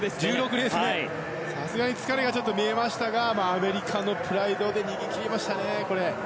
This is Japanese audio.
さすがに疲れが見えましたがアメリカのプライドで逃げ切りましたね。